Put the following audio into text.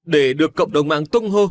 để được cộng đồng mạng tung hô